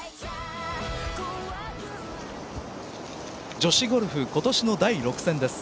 女子ゴルフ今年の第６戦です。